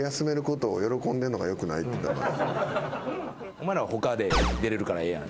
お前らは他で出れるからええやん。